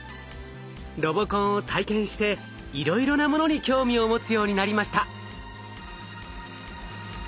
ロボコンを体験していろいろなものに興味を持つようになりました。